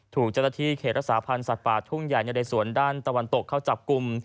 ถูกเจ้าหน้าที่เขตรักษาพันธ์สัตว์ป่าทุ่งใหญ่ในเรสวนด้านตะวันตกเข้าจับกลุ่ม